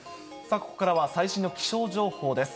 ここからは最新の気象情報です。